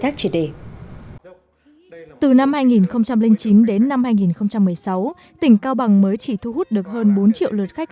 thác trẻ đẻ từ năm hai nghìn chín đến năm hai nghìn một mươi sáu tỉnh cao bằng mới chỉ thu hút được hơn bốn triệu lượt khách